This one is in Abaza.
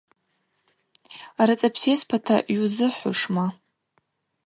Рыцӏа псейспата йузыхӏвушма?